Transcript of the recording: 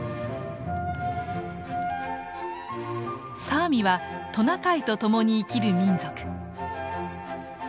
サーミはトナカイとともに生きる民族。